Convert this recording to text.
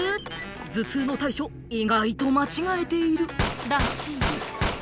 頭痛の対処、意外と間違えているらしい。